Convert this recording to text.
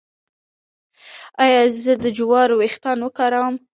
ایا زه د جوارو ويښتان وکاروم؟